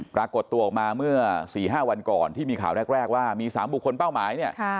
ปรากฏตัวออกมาเมื่อ๔๕วันก่อนที่มีข่าวแรกว่ามี๓บุคคลเป้าหมายเนี่ย